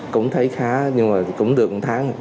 cũng thấy khá nhưng mà cũng được một tháng